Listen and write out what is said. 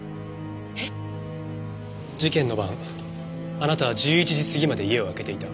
えっ？事件の晩あなたは１１時過ぎまで家を空けていた。